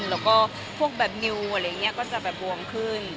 แล้วก็พวกแบบนิวอะไรอย่างนี้ก็จะแบบบวมขึ้น